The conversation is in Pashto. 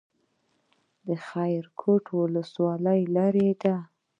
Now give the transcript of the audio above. خیرکوټ ولسوالۍ لیرې ده؟